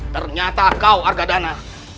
ternyata kau arga danau